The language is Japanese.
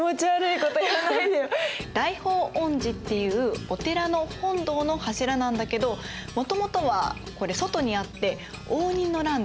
大報恩寺っていうお寺の本堂の柱なんだけどもともとはこれ外にあって応仁の乱で被災した柱なんです。